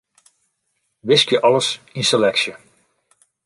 Wiskje alles yn seleksje.